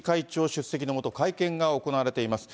出席のもと、会見が行われています。